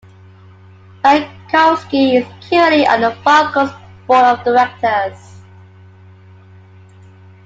Bartkowski is currently on the Falcons Board of Directors.